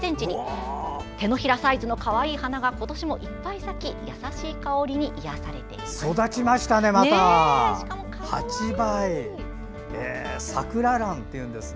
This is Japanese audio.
手のひらサイズのかわいい花が今年もいっぱい咲き優しい香りに癒やされています。